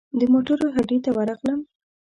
د موټرو هډې ته ورغلم.